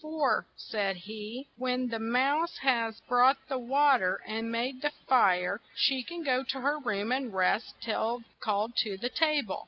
"For," said he, "when the mouse has brought the wa ter and made the fire, she can go to her, room and rest till called to the ta ble.